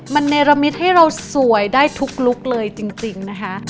มันเนรมิตให้เราสวยได้ทุกลุคเลยจริงนะคะ